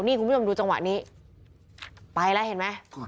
นี่คุณผู้ชมดูจังหวะนี้ไปแล้วเห็นไหม